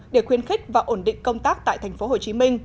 để khuyến khích và ổn định công tác tại tp hcm